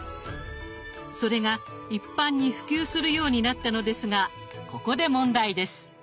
それが一般に普及するようになったのですがここで問題です。